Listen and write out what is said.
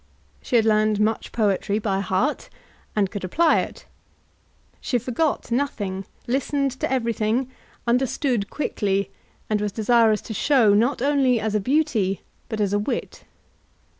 She had learned much poetry by heart, and could apply it. She forgot nothing, listened to everything, understood quickly, and was desirous to show not only as a beauty but as a wit.